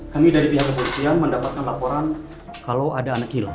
kami dari pihak kepolisian mendapatkan laporan kalau ada anak hilang